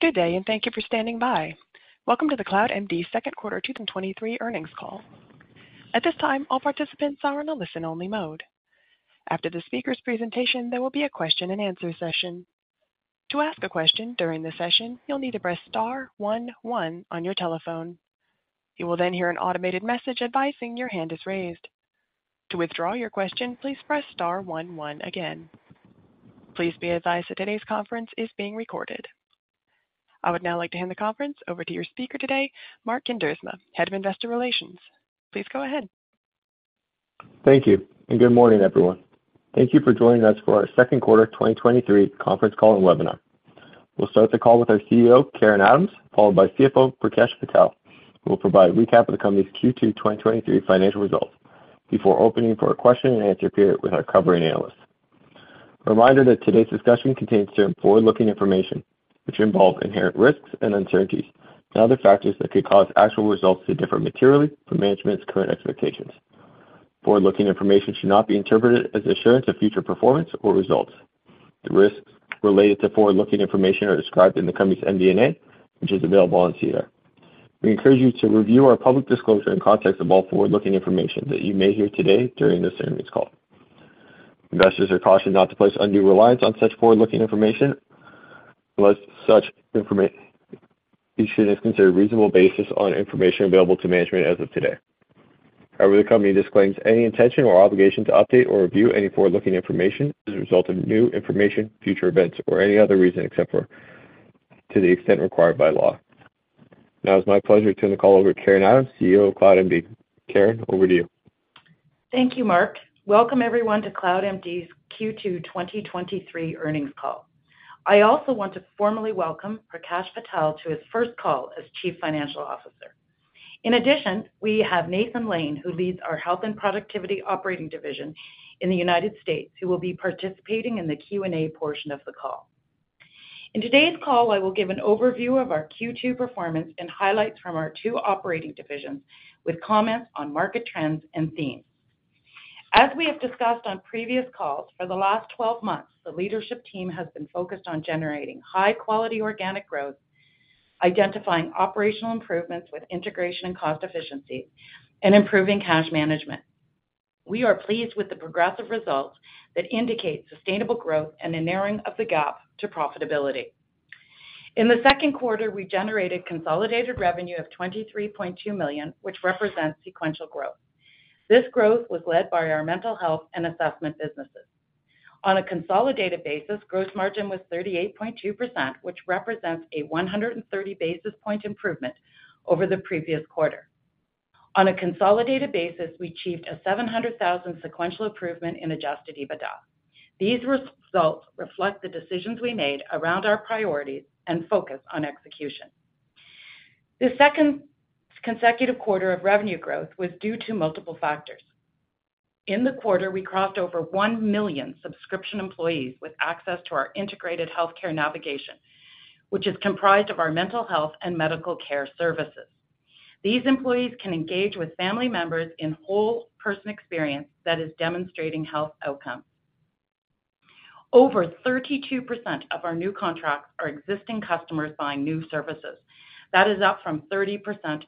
Good day, and thank you for standing by. Welcome to the CloudMD Second Quarter 2023 Earnings Call. At this time, all participants are in a listen-only mode. After the speaker's presentation, there will be a question-and-answer session. To ask a question during the session, you'll need to press star one one on your telephone. You will then hear an automated message advising your hand is raised. To withdraw your question, please press star one one again. Please be advised that today's conference is being recorded. I would now like to hand the conference over to your speaker today, Mark Kuindersma, Head of Investor Relations. Please go ahead. Thank you, and good morning, everyone. Thank you for joining us for our second quarter 2023 conference call and webinar. We'll start the call with our CEO, Karen Adams, followed by CFO, Prakash Patel, who will provide a recap of the company's Q2 2023 financial results before opening for a question and answer period with our covering analysts. A reminder that today's discussion contains certain forward-looking information, which involves inherent risks and uncertainties and other factors that could cause actual results to differ materially from management's current expectations. Forward-looking information should not be interpreted as assurance of future performance or results. The risks related to forward-looking information are described in the company's MD&A, which is available on SEDAR. We encourage you to review our public disclosure in context of all forward-looking information that you may hear today during this earnings call. Investors are cautioned not to place undue reliance on such forward-looking information, unless such information is considered a reasonable basis on information available to management as of today. However, the company disclaims any intention or obligation to update or review any forward-looking information as a result of new information, future events, or any other reason, except to the extent required by law. Now it's my pleasure to turn the call over to Karen Adams, CEO of CloudMD. Karen, over to you. Thank you, Mark. Welcome everyone to CloudMD's Q2 2023 Earnings Call. I also want to formally welcome Prakash Patel to his first call as Chief Financial Officer. In addition, we have Nathan Lane, who leads our health and productivity operating division in the United States, who will be participating in the Q&A portion of the call. In today's call, I will give an overview of our Q2 performance and highlights from our two operating divisions, with comments on market trends and themes. As we have discussed on previous calls, for the last 12 months, the leadership team has been focused on generating high-quality organic growth, identifying operational improvements with integration and cost efficiency, and improving cash management. We are pleased with the progressive results that indicate sustainable growth and a narrowing of the gap to profitability. In the second quarter, we generated consolidated revenue of 23.2 million, which represents sequential growth. This growth was led by our mental health and assessment businesses. On a consolidated basis, gross margin was 38.2%, which represents a 130 basis point improvement over the previous quarter. On a consolidated basis, we achieved a 700,000 sequential improvement in Adjusted EBITDA. These results reflect the decisions we made around our priorities and focus on execution. The second consecutive quarter of revenue growth was due to multiple factors. In the quarter, we crossed over 1 million subscription employees with access to our integrated healthcare navigation, which is comprised of our mental health and medical care services. These employees can engage with family members in whole person experience that is demonstrating health outcomes. Over 32% of our new contracts are existing customers buying new services. That is up from 30%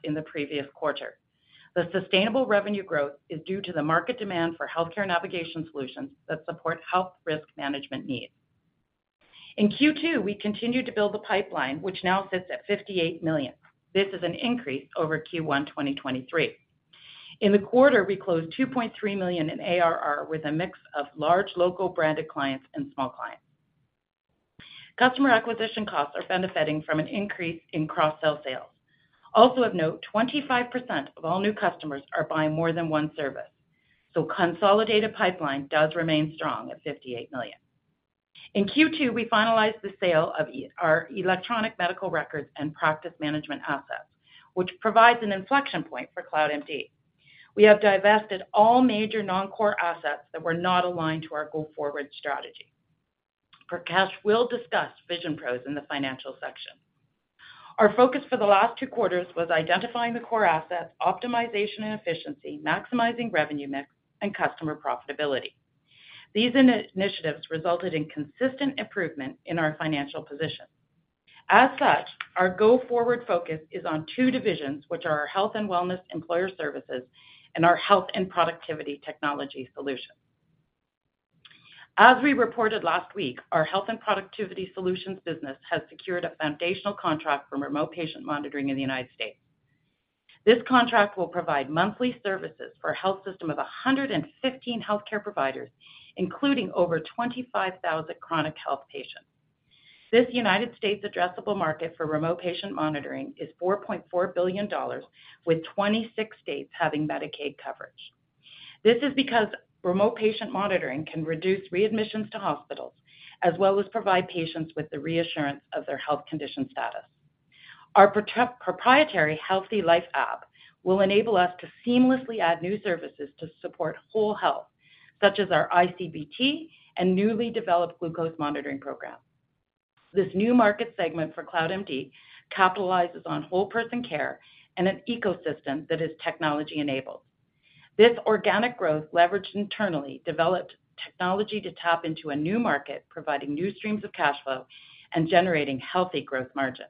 in the previous quarter. The sustainable revenue growth is due to the market demand for healthcare navigation solutions that support health risk management needs. In Q2, we continued to build the pipeline, which now sits at 58 million. This is an increase over Q1 2023. In the quarter, we closed 2.3 million in ARR with a mix of large local branded clients and small clients. Customer acquisition costs are benefiting from an increase in cross-sell sales. Also of note, 25% of all new customers are buying more than one service, so consolidated pipeline does remain strong at 58 million. In Q2, we finalized the sale of our electronic medical records and practice management assets, which provides an inflection point for CloudMD. We have divested all major non-core assets that were not aligned to our go-forward strategy. Prakash will discuss VisionPros in the financial section. Our focus for the last two quarters was identifying the core assets, optimization and efficiency, maximizing revenue mix, and customer profitability. These initiatives resulted in consistent improvement in our financial position. As such, our go-forward focus is on two divisions, which are our health and wellness employer services and our health and productivity technology solutions. As we reported last week, our Health and Productivity Solutions business has secured a foundational contract for remote patient monitoring in the United States. This contract will provide monthly services for a health system of 115 healthcare providers, including over 25,000 chronic health patients. This United States addressable market for remote patient monitoring is $4.4 billion, with 26 states having Medicaid coverage. This is because remote patient monitoring can reduce readmissions to hospitals, as well as provide patients with the reassurance of their health condition status. Our proprietary Healthy Life App will enable us to seamlessly add new services to support whole health, such as our iCBT and newly developed glucose monitoring program. This new market segment for CloudMD capitalizes on whole person care and an ecosystem that is technology-enabled. This organic growth leveraged internally developed technology to tap into a new market, providing new streams of cash flow and generating healthy gross margin.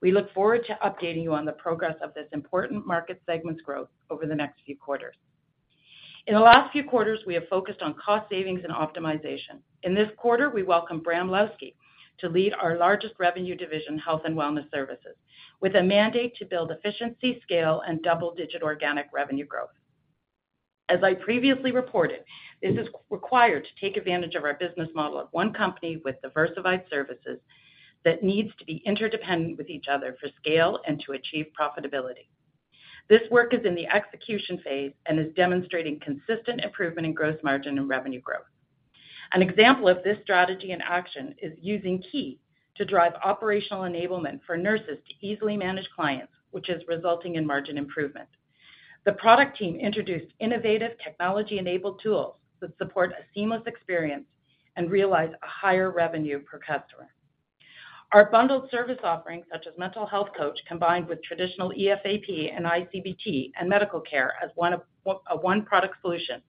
We look forward to updating you on the progress of this important market segment's growth over the next few quarters. In the last few quarters, we have focused on cost savings and optimization. In this quarter, we welcome Bram Lowsky to lead our largest revenue division, Health and Wellness Services, with a mandate to build efficiency, scale, and double-digit organic revenue growth. As I previously reported, this is required to take advantage of our business model of one company with diversified services, that needs to be interdependent with each other for scale and to achieve profitability. This work is in the execution phase and is demonstrating consistent improvement in gross margin and revenue growth. An example of this strategy in action is using Kii to drive operational enablement for nurses to easily manage clients, which is resulting in margin improvement. The product team introduced innovative technology-enabled tools that support a seamless experience and realize a higher revenue per customer. Our bundled service offerings, such as Mental Health Coach, combined with traditional EFAP and iCBT and medical care as a one-product solution,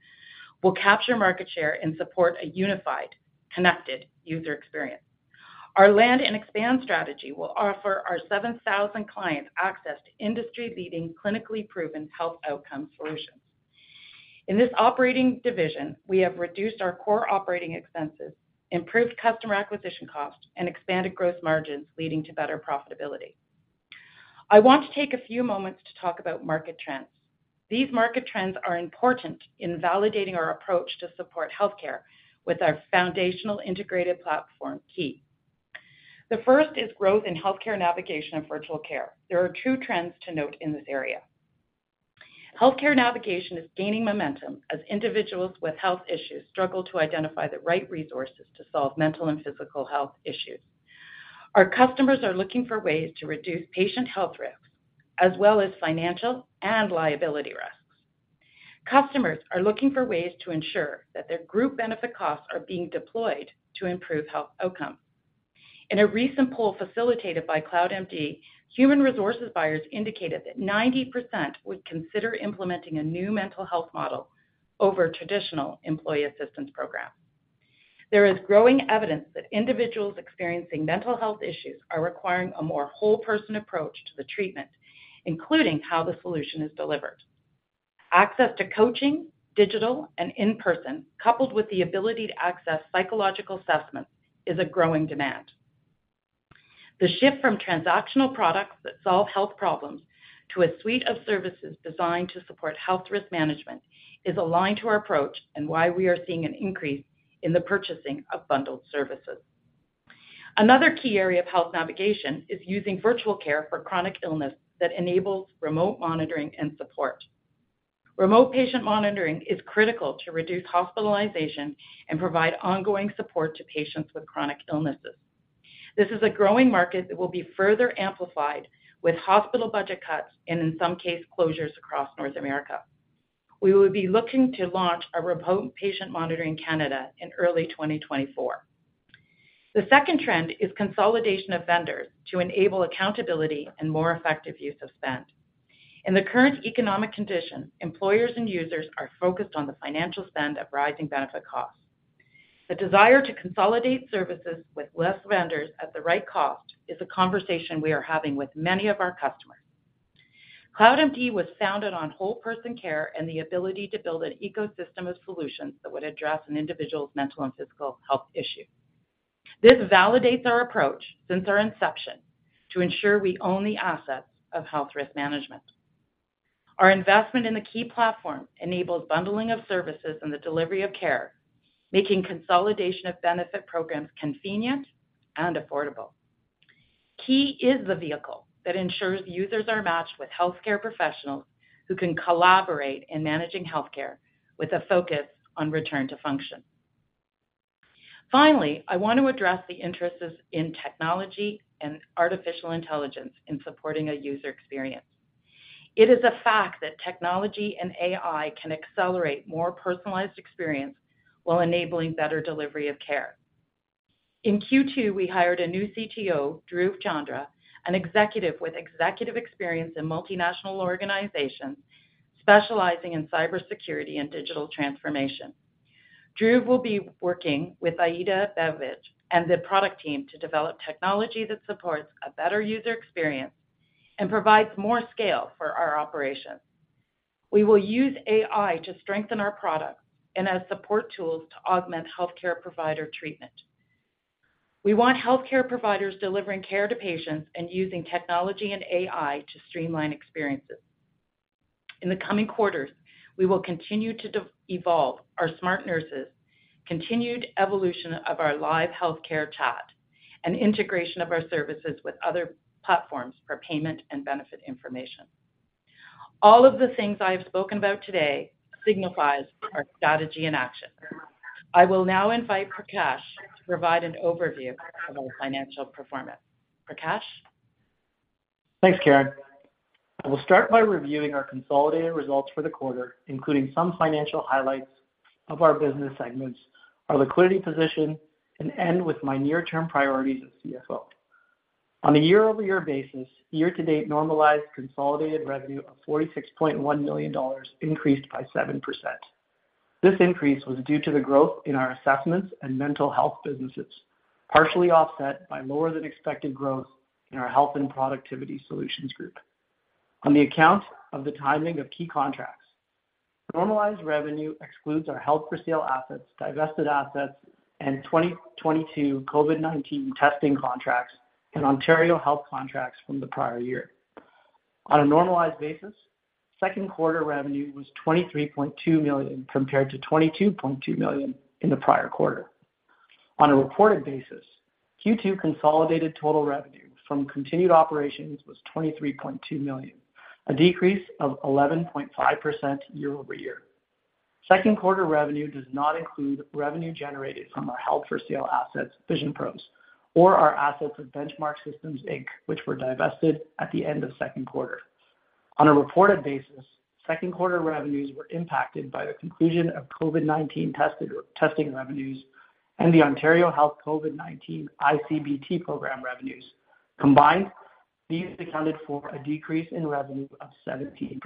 will capture market share and support a unified, connected user experience. Our land and expand strategy will offer our 7,000 clients access to industry-leading, clinically proven health outcome solutions. In this operating division, we have reduced our core operating expenses, improved customer acquisition costs, and expanded gross margins, leading to better profitability. I want to take a few moments to talk about market trends. These market trends are important in validating our approach to support healthcare with our foundational integrated platform, Kii. The first is growth in healthcare navigation and virtual care. There are two trends to note in this area. Healthcare navigation is gaining momentum as individuals with health issues struggle to identify the right resources to solve mental and physical health issues. Our customers are looking for ways to reduce patient health risks, as well as financial and liability risks. Customers are looking for ways to ensure that their group benefit costs are being deployed to improve health outcomes. In a recent poll facilitated by CloudMD, human resources buyers indicated that 90% would consider implementing a new mental health model over a traditional employee assistance program. There is growing evidence that individuals experiencing mental health issues are requiring a more whole-person approach to the treatment, including how the solution is delivered. Access to coaching, digital and in-person, coupled with the ability to access psychological assessments, is a growing demand. The shift from transactional products that solve health problems to a suite of services designed to support health risk management is aligned to our approach and why we are seeing an increase in the purchasing of bundled services. Another key area of health navigation is using virtual care for chronic illness that enables remote monitoring and support. Remote patient monitoring is critical to reduce hospitalization and provide ongoing support to patients with chronic illnesses. This is a growing market that will be further amplified with hospital budget cuts and in some cases, closures across North America. We will be looking to launch a remote patient monitoring Canada in early 2024. The second trend is consolidation of vendors to enable accountability and more effective use of spend. In the current economic conditions, employers and users are focused on the financial spend of rising benefit costs. The desire to consolidate services with less vendors at the right cost is a conversation we are having with many of our customers. CloudMD was founded on whole person care and the ability to build an ecosystem of solutions that would address an individual's mental and physical health issue. This validates our approach since our inception, to ensure we own the assets of health risk management. Our investment in the Kii platform enables bundling of services and the delivery of care, making consolidation of benefit programs convenient and affordable. Kii is the vehicle that ensures users are matched with healthcare professionals who can collaborate in managing healthcare with a focus on return to function. Finally, I want to address the interests in technology and artificial intelligence in supporting a user experience. It is a fact that technology and AI can accelerate more personalized experience while enabling better delivery of care. In Q2, we hired a new CTO, Dhruv Chandra, an executive with executive experience in multinational organizations, specializing in cybersecurity and digital transformation. Dhruv will be working with Aida Begovic and the product team to develop technology that supports a better user experience and provides more scale for our operations. We will use AI to strengthen our products and as support tools to augment healthcare provider treatment. We want healthcare providers delivering care to patients and using technology and AI to streamline experiences. In the coming quarters, we will continue to evolve our smart nurses, continued evolution of our live healthcare chat, and integration of our services with other platforms for payment and benefit information. All of the things I have spoken about today signifies our strategy in action. I will now invite Prakash to provide an overview of our financial performance. Prakash? Thanks, Karen. I will start by reviewing our consolidated results for the quarter, including some financial highlights of our business segments, our liquidity position, and end with my near-term priorities as CFO. On a year-over-year basis, year-to-date normalized consolidated revenue of 46.1 million dollars increased by 7%. This increase was due to the growth in our assessments and mental health businesses, partially offset by lower than expected growth in our Health and Productivity Solutions group. On account of the timing of key contracts, normalized revenue excludes our held-for-sale assets, divested assets, and 2022 COVID-19 testing contracts and Ontario Health contracts from the prior year. On a normalized basis, second quarter revenue was 23.2 million, compared to 22.2 million in the prior quarter. On a reported basis, Q2 consolidated total revenue from continued operations was 23.2 million, a decrease of 11.5% year-over-year. Second quarter revenue does not include revenue generated from our held-for-sale assets, VisionPros, or our assets with Benchmark Systems, Inc., which were divested at the end of second quarter. On a reported basis, second quarter revenues were impacted by the conclusion of COVID-19 testing revenues and the Ontario Health COVID-19 iCBT program revenues. Combined, these accounted for a decrease in revenue of 17%.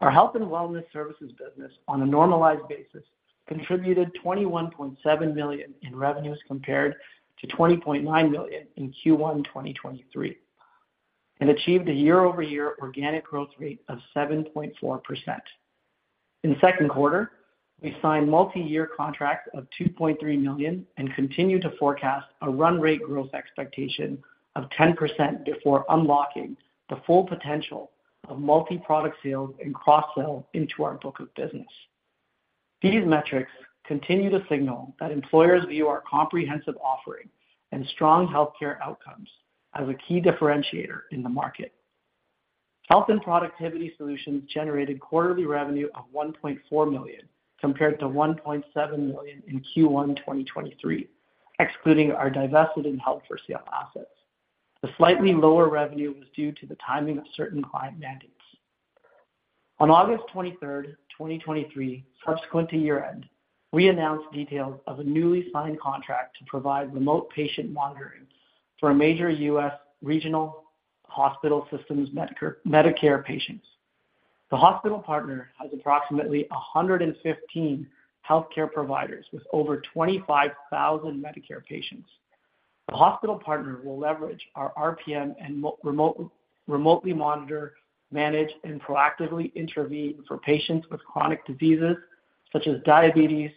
Our health and wellness services business, on a normalized basis, contributed 21.7 million in revenues compared to 20.9 million in Q1 2023, and achieved a year-over-year organic growth rate of 7.4%. In the second quarter, we signed multiyear contracts of 2.3 million and continued to forecast a run rate growth expectation of 10% before unlocking the full potential of multi-product sales and cross-sell into our book of business. These metrics continue to signal that employers view our comprehensive offering and strong healthcare outcomes as a key differentiator in the market. Health and Productivity Solutions generated quarterly revenue of 1.4 million, compared to 1.7 million in Q1 2023, excluding our divested and held-for-sale assets. The slightly lower revenue was due to the timing of certain client mandates. On August 23rd, 2023, subsequent to year-end, we announced details of a newly signed contract to provide remote patient monitoring for a major U.S. regional hospital systems Medicare, Medicare patients. The hospital partner has approximately 115 healthcare providers with over 25,000 Medicare patients. The hospital partner will leverage our RPM and remotely monitor, manage, and proactively intervene for patients with chronic diseases such as diabetes,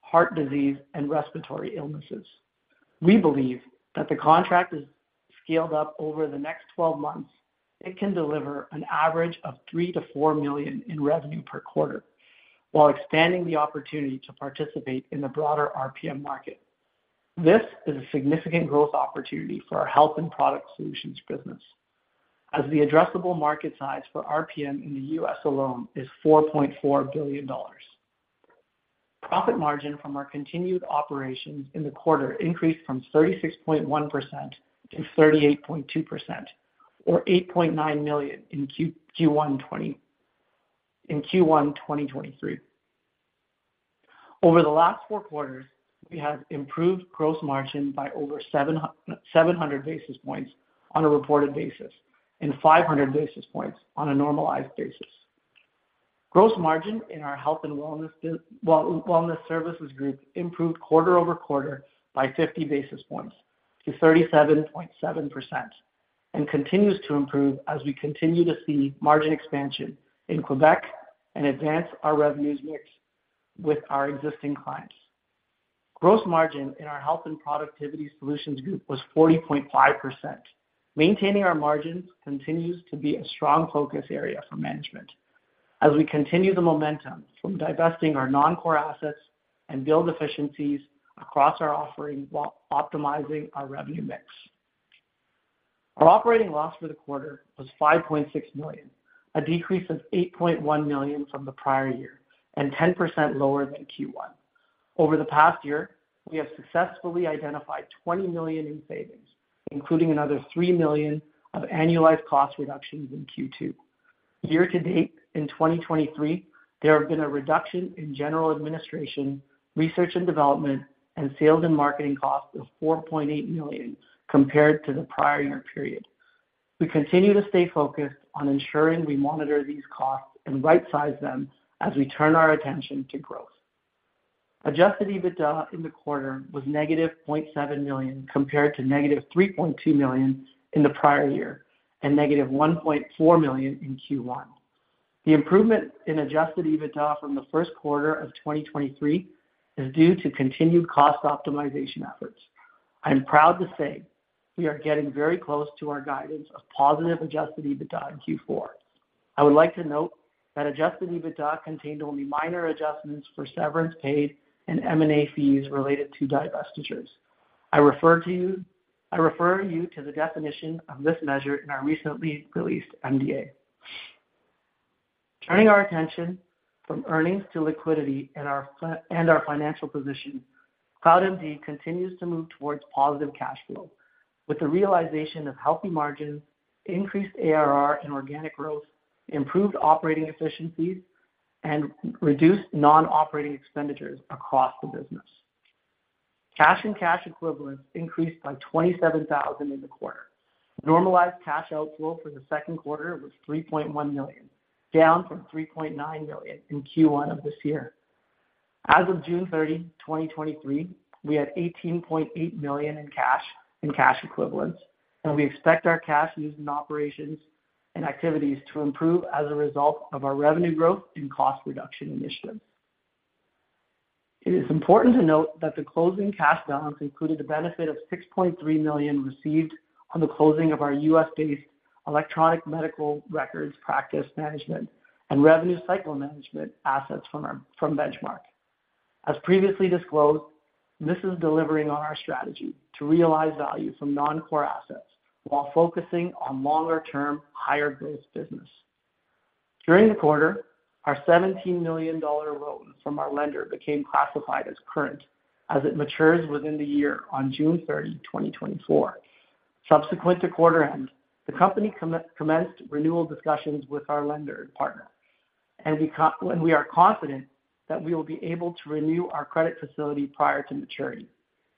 heart disease, and respiratory illnesses. We believe that the contract is scaled up over the next 12 months. It can deliver an average of $3 million-$4 million in revenue per quarter, while expanding the opportunity to participate in the broader RPM market. This is a significant growth opportunity for our health and product solutions business, as the addressable market size for RPM in the U.S. alone is $4.4 billion. Profit margin from our continued operations in the quarter increased from 36.1% to 38.2%, or $8.9 million in Q1 2023. Over the last four quarters, we have improved gross margin by over 700 basis points on a reported basis and 500 basis points on a normalized basis. Gross margin in our Health and Wellness Services group improved quarter-over-quarter by 50 basis points to 37.7% and continues to improve as we continue to see margin expansion in Quebec and advance our revenues mix with our existing clients. Gross margin in our Health and Productivity Solutions group was 40.5%. Maintaining our margins continues to be a strong focus area for management as we continue the momentum from divesting our non-core assets and build efficiencies across our offerings while optimizing our revenue mix. Our operating loss for the quarter was 5.6 million, a decrease of 8.1 million from the prior year and 10% lower than Q1. Over the past year, we have successfully identified 20 million in savings, including another 3 million of annualized cost reductions in Q2. Year to date, in 2023, there have been a reduction in general administration, research and development, and sales and marketing costs of 4.8 million compared to the prior year period. We continue to stay focused on ensuring we monitor these costs and rightsize them as we turn our attention to growth. Adjusted EBITDA in the quarter was -0.7 million, compared to -3.2 million in the prior year, and -1.4 million in Q1. The improvement in Adjusted EBITDA from the first quarter of 2023 is due to continued cost optimization efforts. I am proud to say we are getting very close to our guidance of positive Adjusted EBITDA in Q4. I would like to note that Adjusted EBITDA contained only minor adjustments for severance paid and M&A fees related to divestitures. I refer you to the definition of this measure in our recently released MD&A. Turning our attention from earnings to liquidity and our financial position, CloudMD continues to move towards positive cash flow. With the realization of healthy margins, increased ARR in organic growth, improved operating efficiencies, and reduced non-operating expenditures across the business. Cash and cash equivalents increased by 27,000 in the quarter. Normalized cash outflow for the second quarter was 3.1 million, down from 3.9 million in Q1 of this year. As of June 30, 2023, we had 18.8 million in cash and cash equivalents, and we expect our cash use in operations and activities to improve as a result of our revenue growth and cost reduction initiatives. It is important to note that the closing cash balance included a benefit of 6.3 million received on the closing of our U.S.-based electronic medical records, practice management, and revenue cycle management assets from Benchmark. As previously disclosed, this is delivering on our strategy to realize value from non-core assets while focusing on longer-term, higher-growth business. During the quarter, our 17 million dollar loan from our lender became classified as current as it matures within the year on June 30, 2024. Subsequent to quarter end, the company commenced renewal discussions with our lender partner, and we are confident that we will be able to renew our credit facility prior to maturity.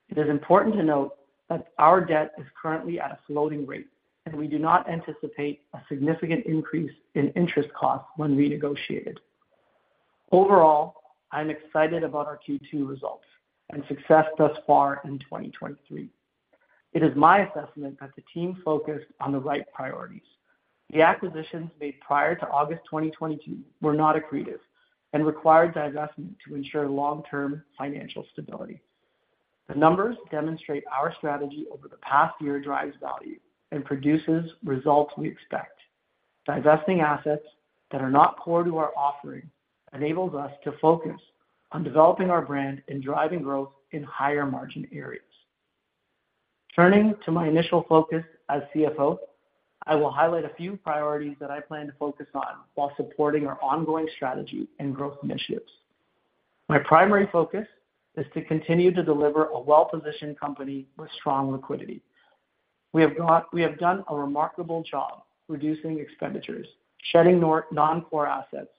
It is important to note that our debt is currently at a floating rate, and we do not anticipate a significant increase in interest costs when renegotiated. Overall, I'm excited about our Q2 results and success thus far in 2023. It is my assessment that the team focused on the right priorities. The acquisitions made prior to August 2022 were not accretive and required divestment to ensure long-term financial stability. The numbers demonstrate our strategy over the past year drives value and produces results we expect. Divesting assets that are not core to our offering enables us to focus on developing our brand and driving growth in higher-margin areas. Turning to my initial focus as CFO, I will highlight a few priorities that I plan to focus on while supporting our ongoing strategy and growth initiatives. My primary focus is to continue to deliver a well-positioned company with strong liquidity. We have done a remarkable job reducing expenditures, shedding non-core assets,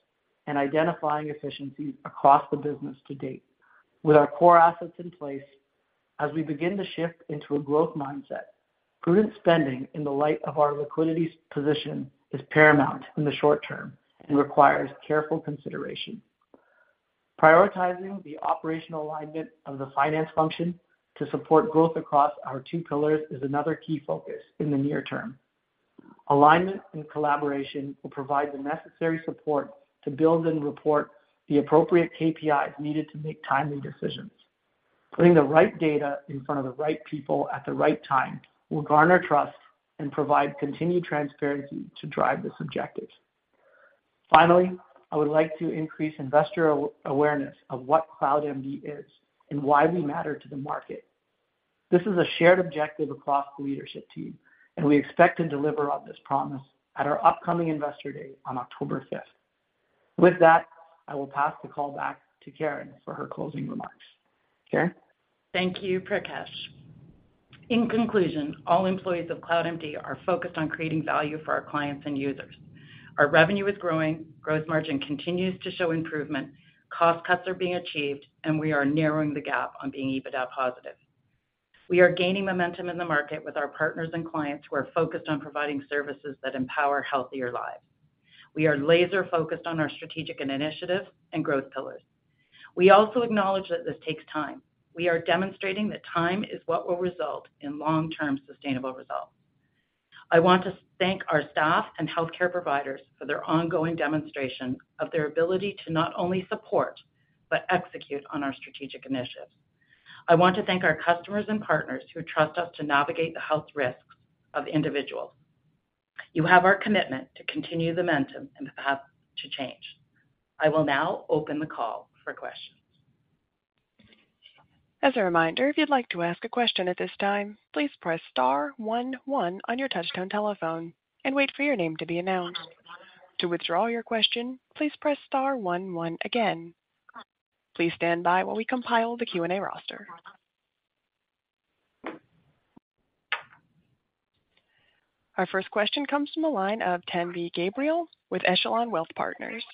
and identifying efficiencies across the business to date. With our core assets in place, as we begin to shift into a growth mindset, prudent spending in the light of our liquidity's position is paramount in the short term and requires careful consideration. Prioritizing the operational alignment of the finance function to support growth across our two pillars is another key focus in the near term. Alignment and collaboration will provide the necessary support to build and report the appropriate KPIs needed to make timely decisions. Putting the right data in front of the right people at the right time will garner trust and provide continued transparency to drive this objective. Finally, I would like to increase investor awareness of what CloudMD is and why we matter to the market. This is a shared objective across the leadership team, and we expect to deliver on this promise at our upcoming Investor Day on October fifth. With that, I will pass the call back to Karen for her closing remarks. Karen? Thank you, Prakash. In conclusion, all employees of CloudMD are focused on creating value for our clients and users. Our revenue is growing, growth margin continues to show improvement, cost cuts are being achieved, and we are narrowing the gap on being EBITDA positive. We are gaining momentum in the market with our partners and clients who are focused on providing services that empower healthier lives. We are laser-focused on our strategic initiatives and growth pillars. We also acknowledge that this takes time. We are demonstrating that time is what will result in long-term sustainable results. I want to thank our staff and healthcare providers for their ongoing demonstration of their ability to not only support, but execute on our strategic initiatives. I want to thank our customers and partners who trust us to navigate the health risks of individuals. You have our commitment to continue the momentum and path to change. I will now open the call for questions. As a reminder, if you'd like to ask a question at this time, please press star one one on your touchtone telephone and wait for your name to be announced. To withdraw your question, please press star one one again. Please stand by while we compile the Q&A roster. Our first question comes from the line of Tanvi Gabriel with Echelon Wealth Partners.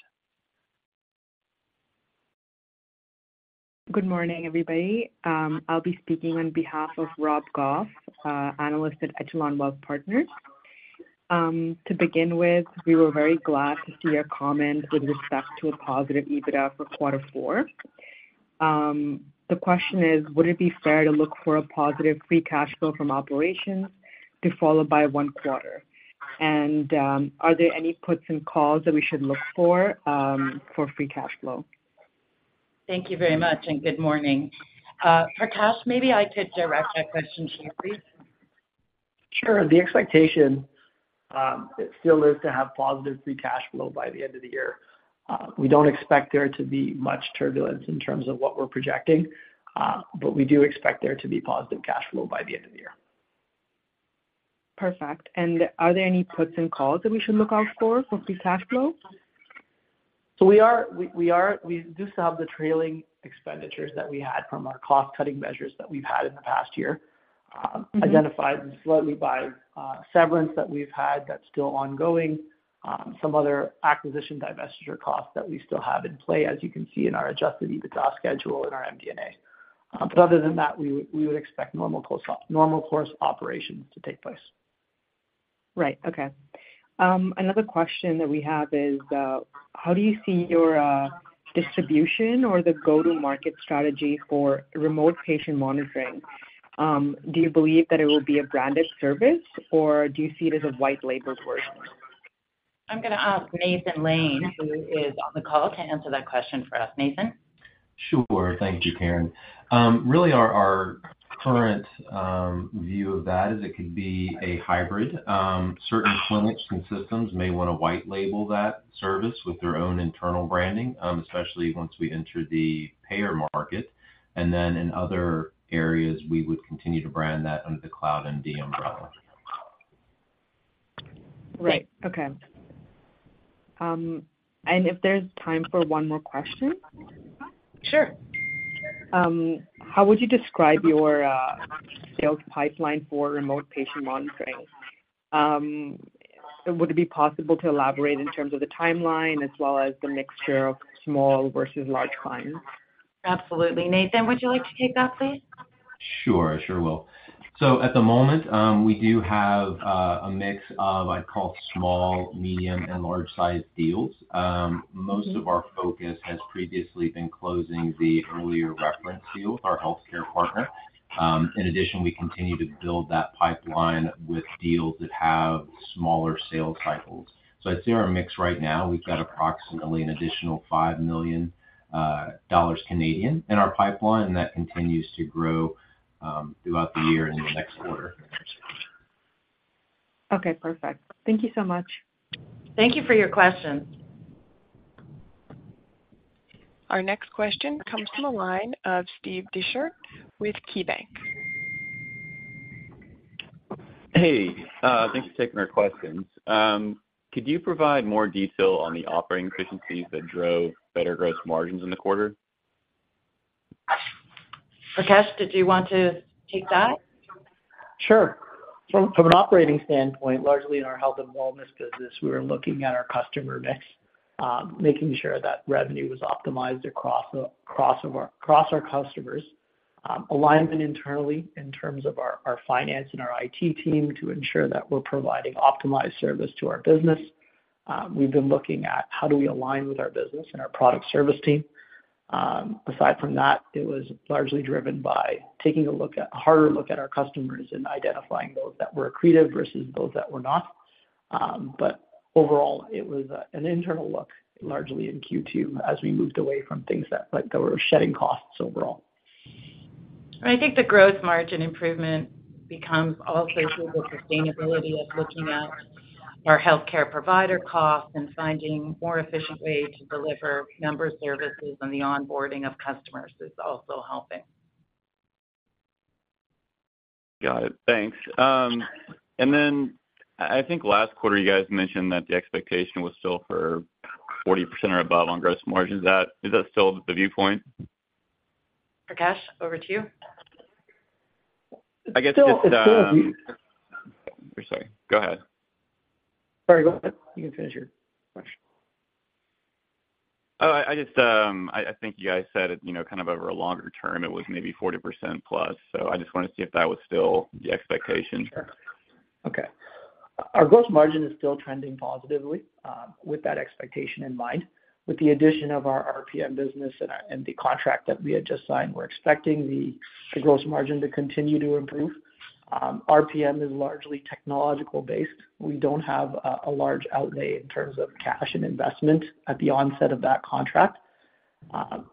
Good morning, everybody. I'll be speaking on behalf of Rob Goff, analyst at Echelon Wealth Partners. To begin with, we were very glad to see your comment with respect to a positive EBITDA for quarter four. The question is: Would it be fair to look for a positive free cash flow from operations to follow by one quarter? And, are there any puts and calls that we should look for for free cash flow? Thank you very much, and good morning. Prakash, maybe I could direct that question to you, please. Sure. The expectation still is to have positive free cash flow by the end of the year. We don't expect there to be much turbulence in terms of what we're projecting, but we do expect there to be positive cash flow by the end of the year. Perfect. And are there any puts and calls that we should look out for, for free cash flow? So we are, we do still have the trailing expenditures that we had from our cost-cutting measures that we've had in the past year. Identified slightly by severance that we've had that's still ongoing, some other acquisition divestiture costs that we still have in play, as you can see in our Adjusted EBITDA schedule in our MD&A. But other than that, we would expect normal course operations to take place. Right. Okay. Another question that we have is, how do you see your distribution or the go-to-market strategy for remote patient monitoring? Do you believe that it will be a branded service, or do you see it as a white label version? I'm gonna ask Nathan Lane, who is on the call, to answer that question for us. Nathan? Sure. Thank you, Karen. Really, our current view of that is it could be a hybrid. Certain clinics and systems may want to white label that service with their own internal branding, especially once we enter the payer market. And then in other areas, we would continue to brand that under the CloudMD umbrella. Right. Okay. And if there's time for one more question? Sure. How would you describe your sales pipeline for remote patient monitoring? Would it be possible to elaborate in terms of the timeline as well as the mixture of small versus large clients? Absolutely. Nathan, would you like to take that, please? Sure. I sure will. So at the moment, we do have a mix of, I'd call, small, medium, and large-sized deals. Mm-hmm. Most of our focus has previously been closing the earlier reference deal with our healthcare partner. In addition, we continue to build that pipeline with deals that have smaller sales cycles. So I'd say our mix right now, we've got approximately an additional 5 million Canadian dollars in our pipeline, and that continues to grow throughout the year and into the next quarter. Okay, perfect. Thank you so much. Thank you for your question. Our next question comes from the line of Steve Dechert with KeyBanc. Hey, thanks for taking our questions. Could you provide more detail on the operating efficiencies that drove better gross margins in the quarter? Prakash, did you want to take that? Sure. From an operating standpoint, largely in our health and wellness business, we were looking at our customer mix, making sure that revenue was optimized across our customers. Alignment internally in terms of our finance and our IT team to ensure that we're providing optimized service to our business. We've been looking at how do we align with our business and our product service team. Aside from that, it was largely driven by taking a harder look at our customers and identifying those that were accretive versus those that were not. But overall, it was an internal look, largely in Q2, as we moved away from things that, like, that were shedding costs overall. I think the growth margin improvement becomes also through the sustainability of looking at our healthcare provider costs and finding more efficient ways to deliver member services, and the onboarding of customers is also helping. Got it. Thanks. And then I think last quarter you guys mentioned that the expectation was still for 40% or above on gross margin. Is that still the viewpoint? Prakash, over to you. I guess just, It's still the view- Sorry, go ahead. Sorry, go ahead. You can finish your question. Oh, I just think you guys said it, you know, kind of over a longer term, it was maybe 40%+. So I just wanted to see if that was still the expectation. Sure. Okay. Our gross margin is still trending positively with that expectation in mind. With the addition of our RPM business and the contract that we had just signed, we're expecting the gross margin to continue to improve. RPM is largely technological based. We don't have a large outlay in terms of cash and investment at the onset of that contract.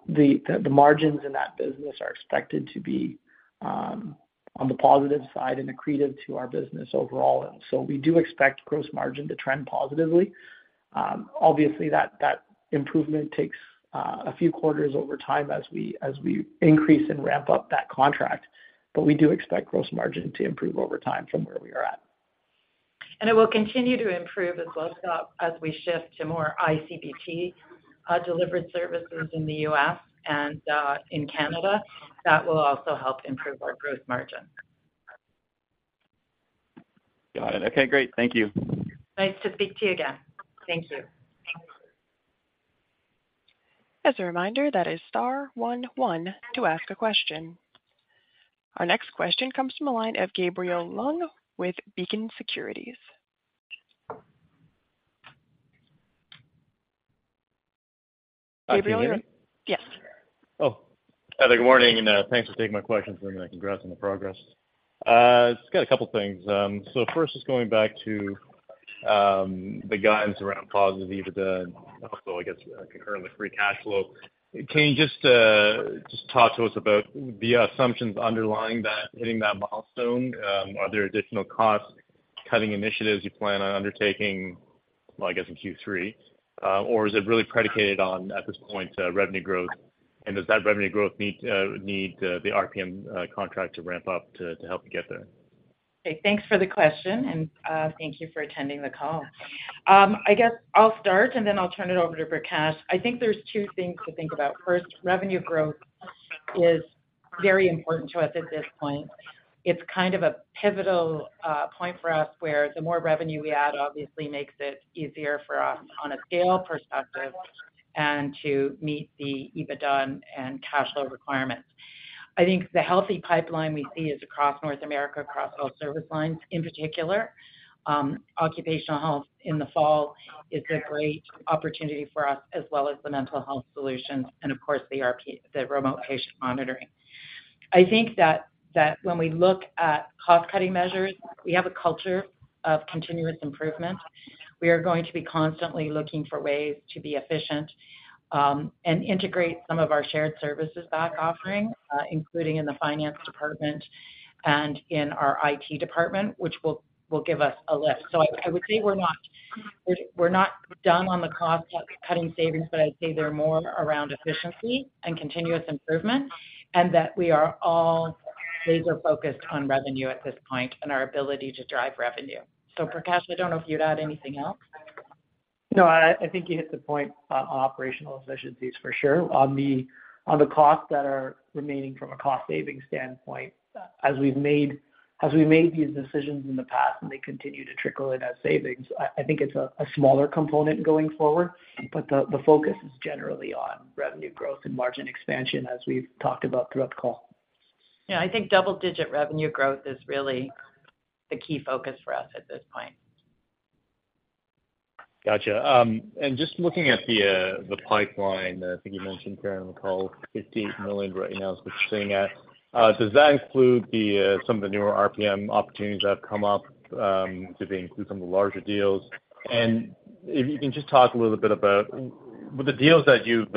The margins in that business are expected to be on the positive side and accretive to our business overall. And so we do expect gross margin to trend positively. Obviously, that improvement takes a few quarters over time as we increase and ramp up that contract, but we do expect gross margin to improve over time from where we are at. And it will continue to improve as well as, as we shift to more iCBT delivered services in the U.S. and in Canada. That will also help improve our gross margin. Got it. Okay, great. Thank you. Nice to speak to you again. Thank you. As a reminder, that is star one one to ask a question. Our next question comes from the line of Gabriel Leung with Beacon Securities. Gabriel, are you- Can you hear me? Yes. Oh. Good morning, and thanks for taking my questions, and congrats on the progress. Just got a couple things. First, just going back to the guidance around positive EBITDA, and also, I guess, concurrently, free cash flow. Can you just just talk to us about the assumptions underlying that, hitting that milestone? Are there additional cost-cutting initiatives you plan on undertaking, well, I guess, in Q3? Or is it really predicated on, at this point, revenue growth? Does that revenue growth need the RPM contract to ramp up to help you get there? Hey, thanks for the question, and thank you for attending the call. I guess I'll start, and then I'll turn it over to Prakash. I think there's two things to think about. First, revenue growth is very important to us at this point. It's kind of a pivotal point for us, where the more revenue we add obviously makes it easier for us on a scale perspective and to meet the EBITDA and cash flow requirements. I think the healthy pipeline we see is across North America, across all service lines, in particular. Occupational health in the fall is a great opportunity for us, as well as the mental health solutions and, of course, the RP, the remote patient monitoring. I think that when we look at cost-cutting measures, we have a culture of continuous improvement. We are going to be constantly looking for ways to be efficient, and integrate some of our shared services back offering, including in the finance department and in our IT department, which will give us a lift. So I would say we're not done on the cost cutting savings, but I'd say they're more around efficiency and continuous improvement, and that we are all laser-focused on revenue at this point and our ability to drive revenue. So, Prakash, I don't know if you'd add anything else? No, I think you hit the point on operational efficiencies, for sure. On the costs that are remaining from a cost-saving standpoint, as we made these decisions in the past and they continue to trickle in as savings, I think it's a smaller component going forward. But the focus is generally on revenue growth and margin expansion, as we've talked about throughout the call. Yeah, I think double-digit revenue growth is really the key focus for us at this point. Gotcha. And just looking at the pipeline, I think you mentioned, Karen, on the call, 58 million right now is what you're sitting at. Does that include some of the newer RPM opportunities that have come up, do they include some of the larger deals? And if you can just talk a little bit about with the deals that you've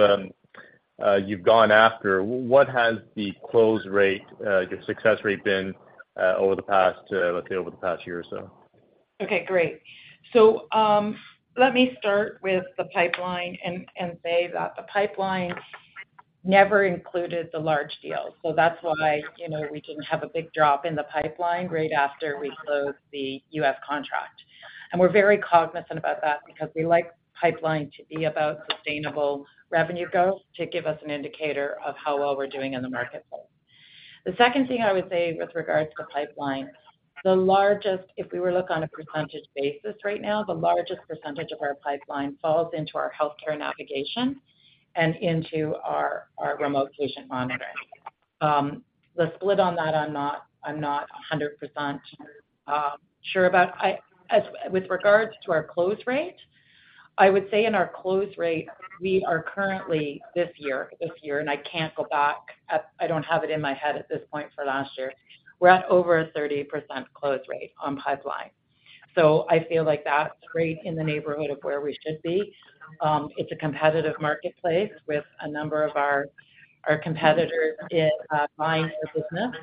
gone after, what has the close rate, your success rate been over the past year or so? Okay, great. So, let me start with the pipeline and, and say that the pipeline never included the large deals. So that's why, you know, we didn't have a big drop in the pipeline right after we closed the U.S. contract. And we're very cognizant about that because we like pipeline to be about sustainable revenue growth to give us an indicator of how well we're doing in the marketplace. The second thing I would say with regards to the pipeline, the largest, if we were to look on a percentage basis right now, the largest percentage of our pipeline falls into our healthcare navigation and into our, our remote patient monitoring. The split on that, I'm not, I'm not a hundred percent sure about. As with regards to our close rate, I would say in our close rate, we are currently, this year, this year, and I can't go back, I don't have it in my head at this point for last year, we're at over a 30% close rate on pipeline. So I feel like that's great in the neighborhood of where we should be. It's a competitive marketplace with a number of our, our competitors in, buying the business.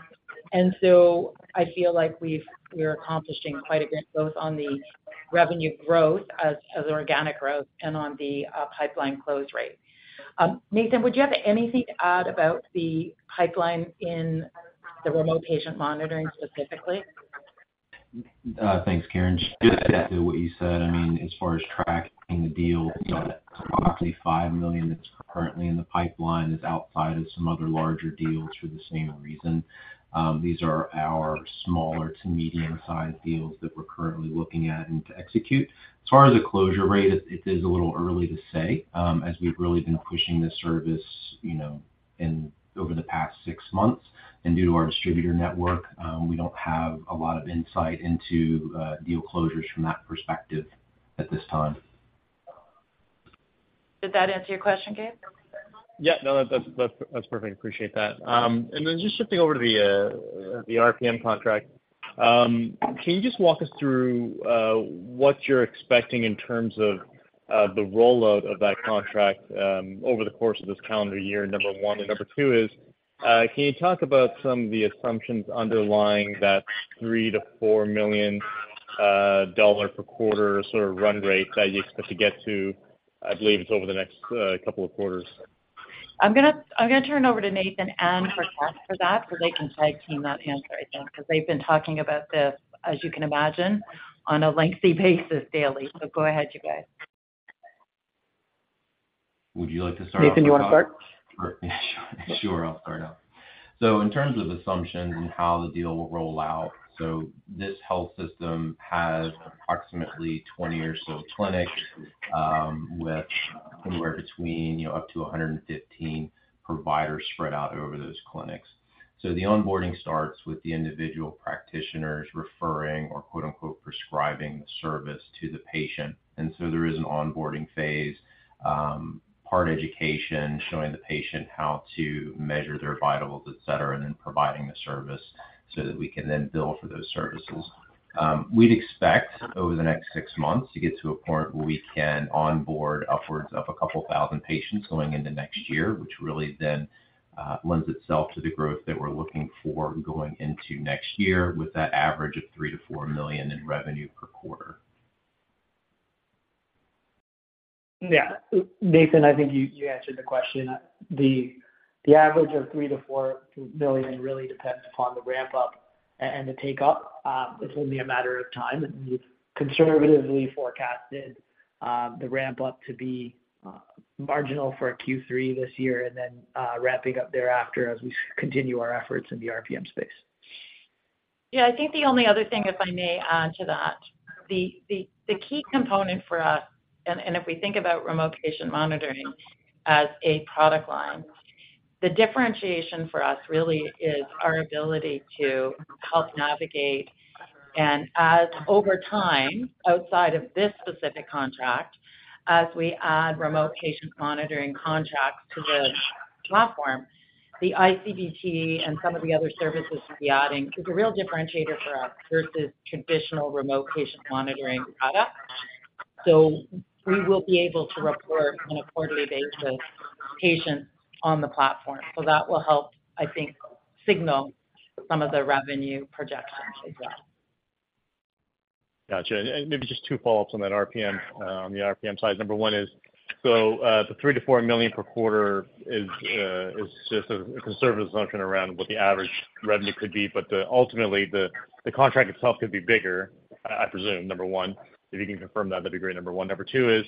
And so I feel like we're accomplishing quite a bit, both on the revenue growth, as, as organic growth and on the, pipeline close rate. Nathan, would you have anything to add about the pipeline in the remote patient monitoring specifically? Thanks, Karen. Just to add to what you said, I mean, as far as tracking the deal, you know, approximately 5 million that's currently in the pipeline is outside of some other larger deals for the same reason. These are our smaller to medium-sized deals that we're currently looking at and to execute. As far as the closure rate, it is a little early to say, as we've really been pushing this service, you know, in over the past six months. And due to our distributor network, we don't have a lot of insight into deal closures from that perspective at this time. Did that answer your question, Gabe? Yeah. No, that, that's, that's perfect. I appreciate that. And then just shifting over to the RPM contract, can you just walk us through what you're expecting in terms of the rollout of that contract over the course of this calendar year, number one? And number two is, can you talk about some of the assumptions underlying that 3-4 million dollar per quarter sort of run rate that you expect to get to, I believe it's over the next couple of quarters? I'm gonna, I'm gonna turn it over to Nathan and Prakash for that, so they can tag-team that answer, I think, because they've been talking about this, as you can imagine, on a lengthy basis daily. So go ahead, you guys. Would you like to start off? Nathan, you wanna start? Sure, I'll start off. So in terms of assumptions and how the deal will roll out, so this health system has approximately 20 or so clinics, with anywhere between, you know, up to 115 providers spread out over those clinics. So the onboarding starts with the individual practitioners referring or, quote-unquote, "prescribing" the service to the patient. And so there is an onboarding phase, part education, showing the patient how to measure their vitals, et cetera, and then providing the service so that we can then bill for those services. We'd expect over the next six months to get to a point where we can onboard upwards of 2,000 patients going into next year, which really then lends itself to the growth that we're looking for going into next year, with that average of 3 million-4 million in revenue per quarter. Yeah. Nathan, I think you answered the question. The average of 3 million-4 million really depends upon the ramp-up and the take-up. It's only a matter of time, and we've conservatively forecasted the ramp-up to be marginal for Q3 this year, and then ramping up thereafter as we continue our efforts in the RPM space. Yeah, I think the only other thing, if I may add to that, the key component for us, and if we think about remote patient monitoring as a product line, the differentiation for us really is our ability to help navigate. And as over time, outside of this specific contract, as we add remote patient monitoring contracts to the platform, the iCBT and some of the other services we're adding is a real differentiator for us versus traditional remote patient monitoring products. So we will be able to report on a quarterly basis, patients on the platform. So that will help, I think, signal some of the revenue projections as well. Gotcha. And maybe just two follow-ups on that RPM, on the RPM side. Number one is, so, the three to four million per quarter is, is just a conservative assumption around what the average revenue could be. But ultimately, the contract itself could be bigger, I presume, number one. If you can confirm that, that'd be great, number one. Number two is,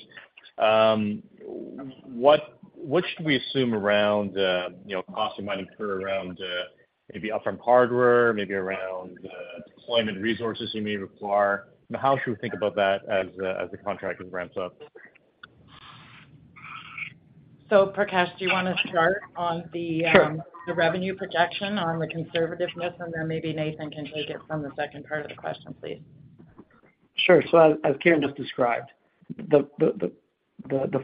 what should we assume around, you know, costs that might incur around, maybe upfront hardware, maybe around the deployment resources you may require? How should we think about that as the contract ramps up? So, Prakash, do you wanna start on the- Sure. the revenue projection on the conservativeness, and then maybe Nathan can take it from the second part of the question, please. Sure. So as Karen just described, the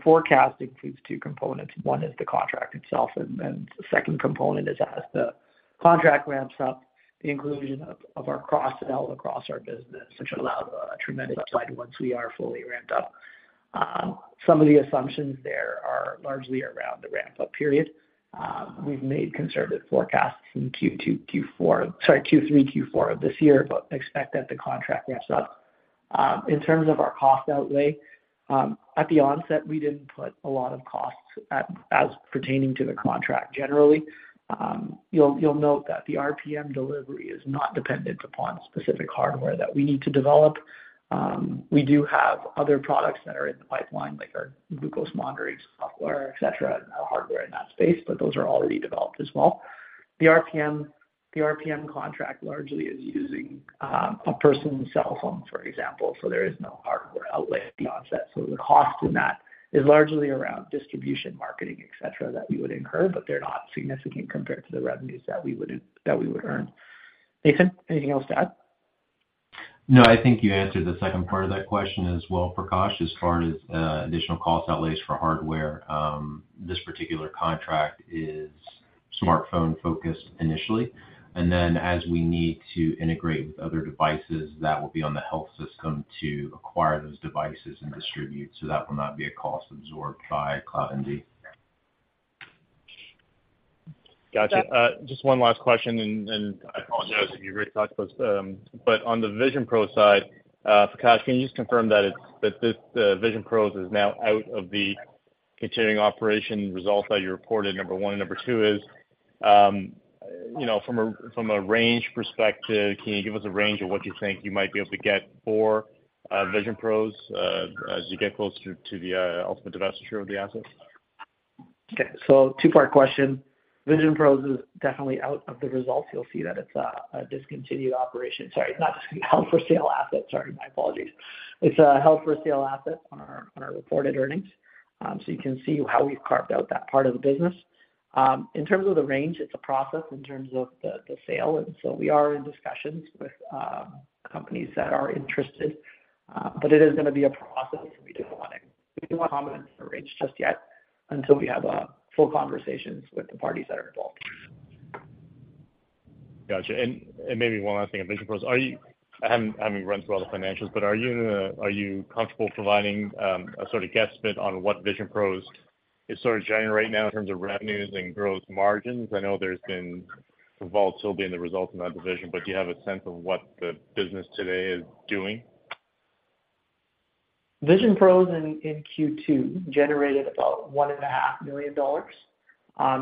forecast includes two components. One is the contract itself, and then the second component is as the contract ramps up, the inclusion of our cross-sell across our business, which allow a tremendous upside once we are fully ramped up. Some of the assumptions there are largely around the ramp-up period. We've made conservative forecasts in Q2, Q4, sorry, Q3, Q4 of this year, but expect that the contract ramps up. In terms of our cost outlay, at the onset, we didn't put a lot of costs as pertaining to the contract generally. You'll note that the RPM delivery is not dependent upon specific hardware that we need to develop. We do have other products that are in the pipeline, like our glucose monitoring software, et cetera, and our hardware in that space, but those are already developed as well. The RPM, the RPM contract largely is using a person's cell phone, for example, so there is no hardware outlay at the onset. So the cost in that is largely around distribution, marketing, et cetera, that we would incur, but they're not significant compared to the revenues that we would, that we would earn. Nathan, anything else to add? No, I think you answered the second part of that question as well, Prakash. As far as additional cost outlays for hardware, this particular contract is smartphone-focused initially, and then as we need to integrate with other devices, that will be on the health system to acquire those devices and distribute, so that will not be a cost absorbed by CloudMD. Gotcha. Yeah- Just one last question, and then I apologize if you already talked about this. But on the VisionPros side, Prakash, can you just confirm that it's, that this, the VisionPros is now out of the continuing operation results that you reported, number one? And number two is, you know, from a, from a range perspective, can you give us a range of what you think you might be able to get for, VisionPros, as you get closer to the, ultimate divestiture of the assets? Okay, so two-part question. VisionPros is definitely out of the results. You'll see that it's a discontinued operation. Sorry, not held for sale asset. Sorry, my apologies. It's a held for sale asset on our reported earnings. So you can see how we've carved out that part of the business. In terms of the range, it's a process in terms of the sale, and so we are in discussions with companies that are interested. But it is gonna be a process, and we don't want to comment on the range just yet until we have full conversations with the parties that are involved. Gotcha. And maybe one last thing on VisionPros. Are you. I haven't run through all the financials, but are you comfortable providing a sort of guesstimate on what VisionPros is sort of generating right now in terms of revenues and growth margins? I know there's been volatility in the results in that division, but do you have a sense of what the business today is doing? VisionPros in Q2 generated about 1.5 million dollars.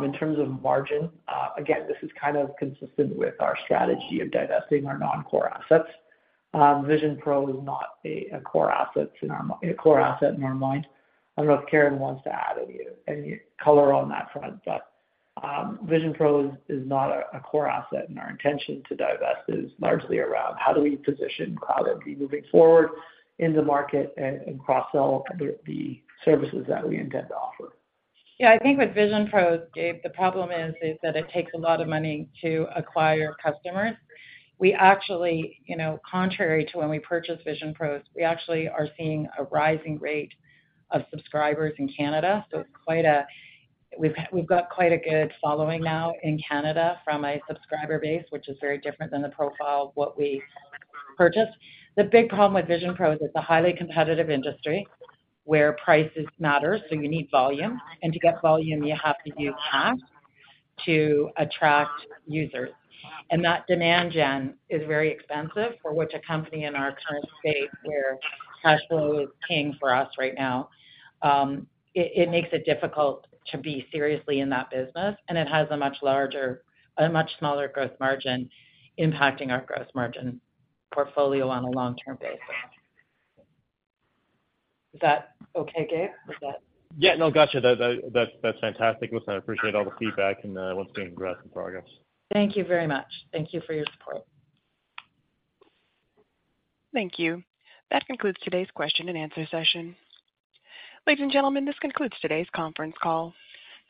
In terms of margin, again, this is kind of consistent with our strategy of divesting our non-core assets. VisionPros is not a core asset in our mind. I don't know if Karen wants to add any color on that front, but VisionPros is not a core asset, and our intention to divest is largely around how do we position CloudMD moving forward in the market and cross-sell the services that we intend to offer. Yeah, I think with VisionPros, Gabe, the problem is that it takes a lot of money to acquire customers. We actually, you know, contrary to when we purchased VisionPros, we actually are seeing a rising rate of subscribers in Canada, so it's quite, We've got quite a good following now in Canada from a subscriber base, which is very different than the profile of what we purchased. The big problem with VisionPros is it's a highly competitive industry, where prices matter, so you need volume. And to get volume, you have to do ads to attract users. And that demand gen is very expensive for which a company in our current state, where cash flow is king for us right now, it makes it difficult to be seriously in that business, and it has a much larger-a much smaller growth margin impacting our gross margin portfolio on a long-term basis. Is that okay, Gabe? Is that- Yeah. No, gotcha. That's fantastic. Listen, I appreciate all the feedback and what's being progressing, progress. Thank you very much. Thank you for your support. Thank you. That concludes today's question and answer session. Ladies and gentlemen, this concludes today's conference call.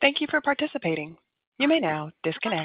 Thank you for participating. You may now disconnect.